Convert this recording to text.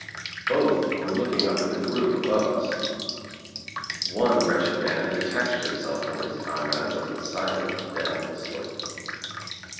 Both were looking up at the group above us. One wretched man detached himself from his comrades and sidled down the slope.